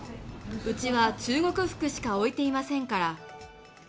うちは中国服しか置いていませんから。